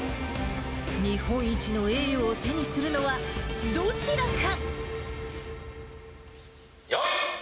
日本一の栄誉を手にするのはどちらか。